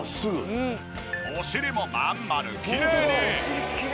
お尻もまん丸きれいに！